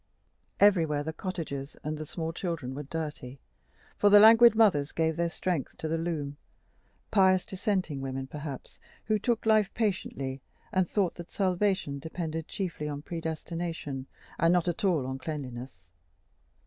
Everywhere the cottages and the small children were dirty, for the languid mothers gave their strength to the loom; pious Dissenting women, perhaps, who took life patiently, and thought that salvation depended chiefly on predestination, and not at all on cleanliness.